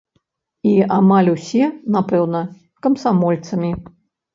І амаль усе, напэўна, камсамольцамі.